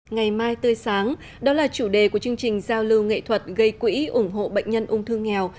ngày mai tươi sáng đó là chủ đề của chương trình giao lưu nghệ thuật gây quỹ ủng hộ bệnh nhân ung thư nghèo